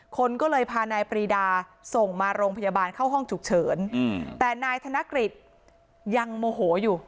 คนก็เลยพานายปรีดาส่งมาโรงพยาบาลเข้าห้องฉุกเฉินแต่นายธนกฤษยังโมโหอยู่